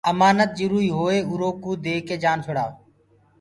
امآنت جروئي هوئي اروئو ديڪي جآن ڇڙائو